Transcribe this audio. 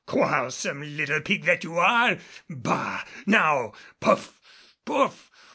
Quarrelsome little pig that you are! Bah! Now puff! puff!